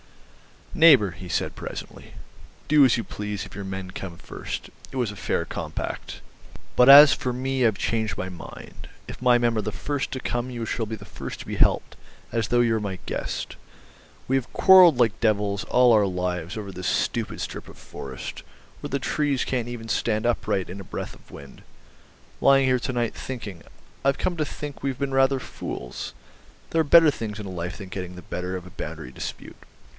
"Neighbour," he said presently, "do as you please if your men come first. It was a fair compact. But as for me, I've changed my mind. If my men are the first to come you shall be the first to be helped, as though you were my guest. We have quarrelled like devils all our lives over this stupid strip of forest, where the trees can't even stand upright in a breath of wind. Lying here to night thinking I've come to think we've been rather fools; there are better things in life than getting the better of a boundary dispute.